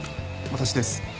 私です。